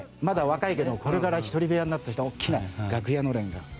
まだ若いけどこれから一人部屋になるとしたら大きな楽屋のれんが。